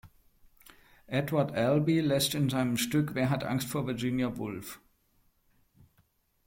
Edward Albee lässt in seinem Stück "Wer hat Angst vor Virginia Woolf?